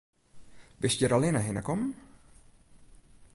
Bist hjir allinne hinne kommen?